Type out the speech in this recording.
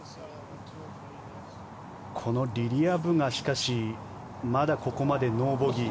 このリリア・ブがしかしまだここまでノーボギー。